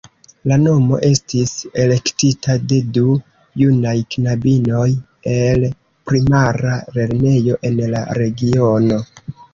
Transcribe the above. La nomo estis elektita de du junaj knabinoj el primara lernejo en la regiono.